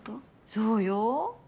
そうよ。